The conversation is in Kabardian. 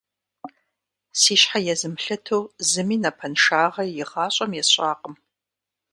Си щхьэ езмылъыту зыми напэншагъэ игъащӀэм есщӀакъым.